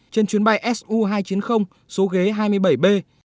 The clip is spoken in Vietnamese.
trên chuyến bay su hai trăm chín mươi số ghế hai mươi bảy b